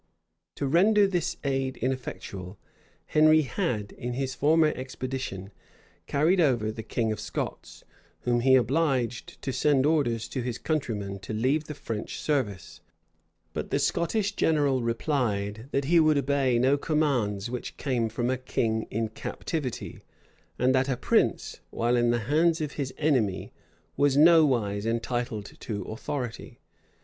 To render this aid ineffectual, Henry had, in his former expedition, carried over the king of Scots, whom he obliged to send orders to his countrymen to leave the French service; but the Scottish general replied, that he would obey no commands which came from a king in captivity, and that a prince, while in the hands of his enemy, was nowise entitled to authority.